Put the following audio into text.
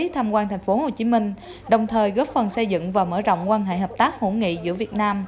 tham quan tp hcm đồng thời góp phần xây dựng và mở rộng quan hệ hợp tác hữu nghị giữa việt nam